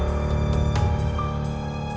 aku mau ke sana